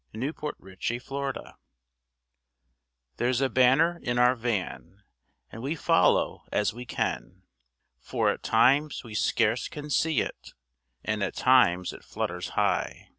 THE BANNER OF PROGRESS There's a banner in our van, And we follow as we can, For at times we scarce can see it, And at times it flutters high.